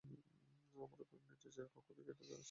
আমরা উপরে এবং নীচের কক্ষ থেকে এটাতে অ্যাক্সেস করতে পারবো।